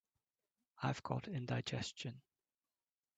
I've got indigestion.